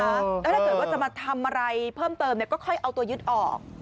แล้วถ้าเกิดว่าจะมาทำอะไรเพิ่มเติมก็ค่อยเอาตัวยึดออก